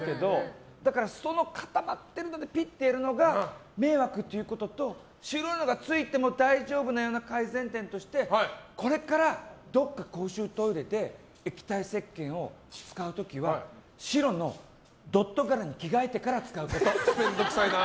その固まっているのにピッてやるのが迷惑ということと白いのがついても大丈夫なようにするのの改善点としてこれから、どこか公衆トイレで液体せっけんを使う時は白のドット柄に着替えてから使うこと。